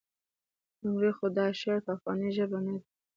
لومړی خو دا شعر په افغاني ژبه نه دی.